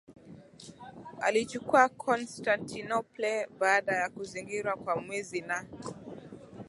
alichukua Constantinople baada ya kuzingirwa kwa mwezi na